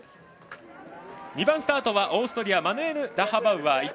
２番スタートはオーストリアマヌエル・ラハバウアー。